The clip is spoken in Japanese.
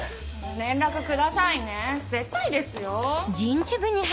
連絡くださいね絶対ですよ。